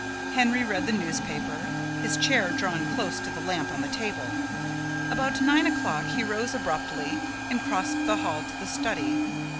Henry read the newspaper, his chair drawn close to the lamp on the table. About nine o'clock he rose abruptly and crossed the hall to the study.